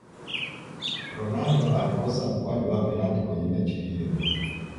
ronaldo alikosa mkwaju wa penati kwenye mechi hiyo